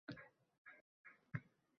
Bu so’z